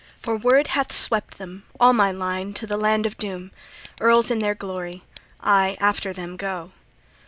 For Wyrd hath swept them, all my line, to the land of doom, earls in their glory: I after them go."